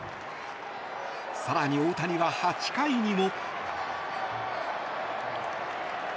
更に、大谷は８回にも。